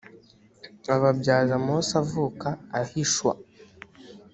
ababyaza mose avuka ahishwa